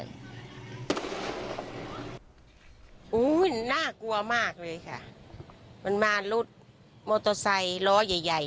โอ้โหน่ากลัวมากเลยค่ะมันมารถมอเตอร์ไซค์ล้อใหญ่ใหญ่